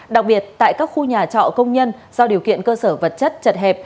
đặc biệt tại các khu nhà trọ công nhân do điều kiện cơ sở vật chất chật hẹp